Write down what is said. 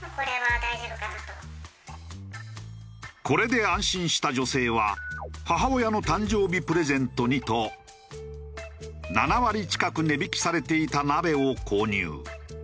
これで安心した女性は母親の誕生日プレゼントにと７割近く値引きされていた鍋を購入。